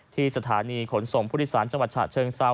ที่สถานีขนสมพุทธศาลจังหวัดฉะเชิงเซา